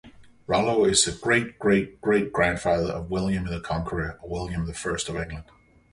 Rollo is the great-great-great-grandfather of William the Conqueror, or William the First of England.